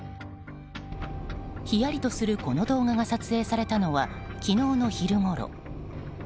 ひやりとするこの動画が撮影されたのは昨日の昼ごろ。